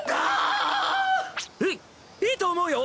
いいいと思うよ。